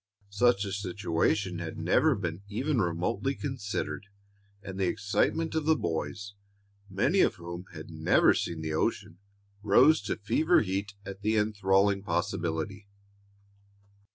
Such a situation had never been even remotely considered, and the excitement of the boys, many of whom had never seen the ocean, rose to fever heat at the enthralling possibility.